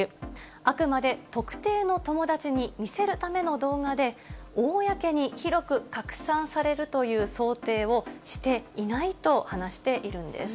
あくまで特定の友達に見せるための動画で、公に広く拡散されるという想定をしていないと話しているんです。